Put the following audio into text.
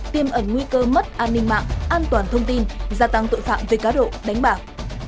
tiêm ẩn nguy cơ mất an ninh mạng an toàn thông tin gia tăng tội phạm về cá độ đánh bạc